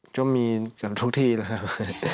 ก็มีทั้งทุกที่นะครับ